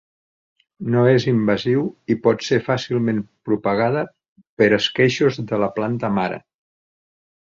No és invasiu i pot ser fàcilment propagada per esqueixos de la planta mare.